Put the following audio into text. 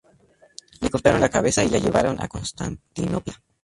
Le cortaron la cabeza y la llevaron a Constantinopla.